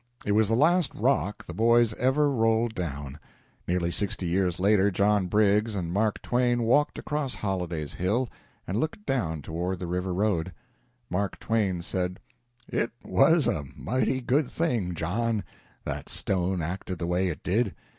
It was the last rock the boys ever rolled down. Nearly sixty years later John Briggs and Mark Twain walked across Holliday's Hill and looked down toward the river road. Mark Twain said: "It was a mighty good thing, John, that stone acted the way it did.